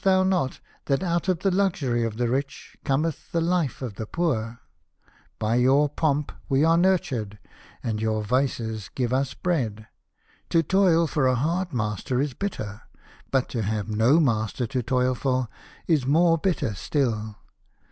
thou not that out of the luxury of the rich cometh the life of the poor ? By your pomp we are nurtured, and your vices give us bread. To toil for a hard master is bitter, but to have no master to toil for is more bitter still.